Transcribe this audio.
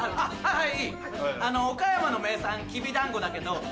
・はい！